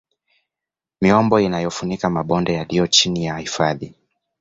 Miombo inayofunika mabonde yaliyo chini ya hifadhi